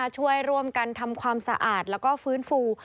ช่วยร่วมกันทำความสะอาดแล้วก็ฟื้นฟู